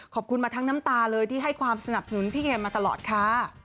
ขอบคุณมาทั้งน้ำตาเลยที่ให้ความสนับสนุนพี่เอมมาตลอดค่ะ